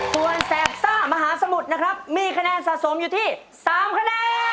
ส่วนแสบซ่ามหาสมุทรนะครับมีคะแนนสะสมอยู่ที่๓คะแนน